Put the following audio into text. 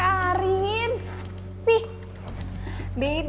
kok diambil sih hape arin